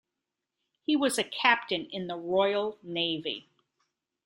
He was a Captain in the Royal Navy.